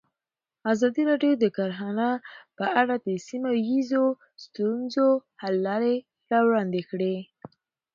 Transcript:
ازادي راډیو د کرهنه په اړه د سیمه ییزو ستونزو حل لارې راوړاندې کړې.